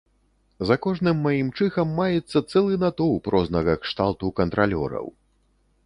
За кожным маім чыхам маецца цэлы натоўп рознага кшталту кантралёраў.